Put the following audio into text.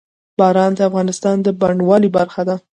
باران د افغانستان د بڼوالۍ برخه ده.